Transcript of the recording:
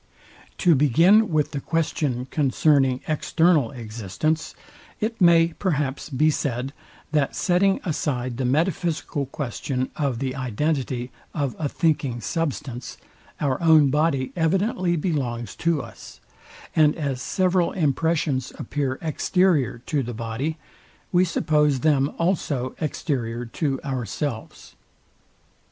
To begin with the question concerning EXTERNAL existence, it may perhaps be said, that setting aside the metaphysical question of the identity of a thinking substance, our own body evidently belongs to us; and as several impressions appear exterior to the body, we suppose them also exterior to ourselves.